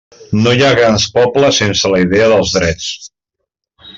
No hi ha grans pobles sense la idea dels drets.